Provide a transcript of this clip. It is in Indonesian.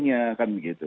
ya kan begitu